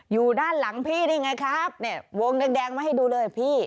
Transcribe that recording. อยู่ด้านหลังพี่นี่ไงครับเนี่ยวงแดงมาให้ดูเลยพี่